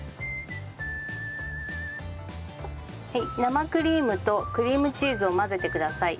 生クリームとクリームチーズを混ぜてください。